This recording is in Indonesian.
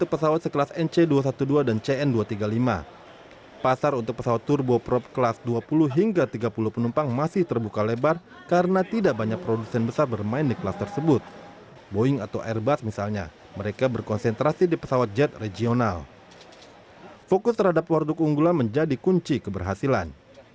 keputusan keberhasilan jangan mengekalkan cinta keamanan